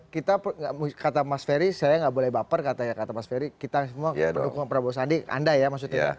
kita kata mas ferry saya nggak boleh baper kata mas ferry kita semua pendukung prabowo sandi anda ya maksudnya